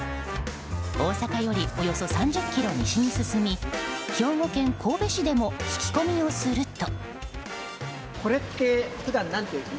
大阪よりおよそ３０ｋｍ西に進み兵庫県神戸市でも聞き込みをすると。